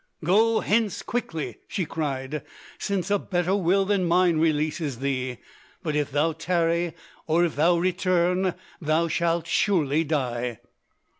"Go hence quickly," she cried, "since a better will than mine releases thee! But if thou tarry or if thou return, thou shalt surely die!"